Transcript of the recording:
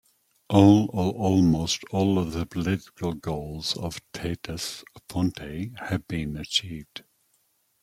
All or almost all the political goals of Tautas fronte have been achieved.